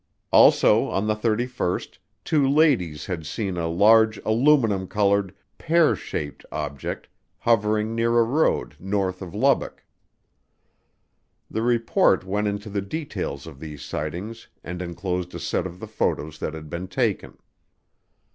Also on the thirty first two ladies had seen a large "aluminum colored," "pear shaped" object hovering near a road north of Lubbock. The report went into the details of these sightings and enclosed a set of the photos that had been taken.